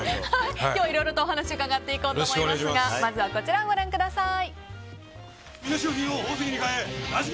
今日はいろいろとお話を伺っていこうと思いますがまずはこちらをご覧ください。